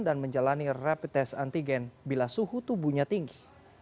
dan menjalani rapid test antigen bila suhu tubuhnya tinggi